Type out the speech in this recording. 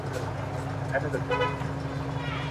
o د مېلمه، مېلمه بد اېسي د کور، د خاوند دواړه!